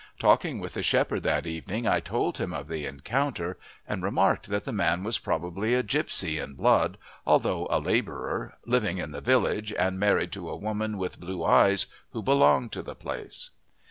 Talking with the shepherd that evening I told him of the encounter, and remarked that the man was probably a gipsy in blood, although a labourer, living in the village and married to a woman with blue eyes who belonged to the place.